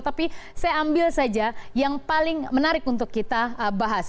tapi saya ambil saja yang paling menarik untuk kita bahas